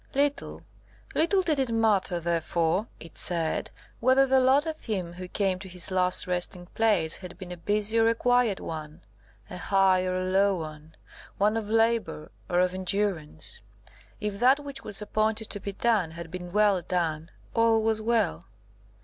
Little, little did it matter, therefore (it said), whether the lot of him who came to his last resting place had been a busy or a quiet one; a high or a low one; one of labour or of endurance. If that which was appointed to be done, had been well done, all was well.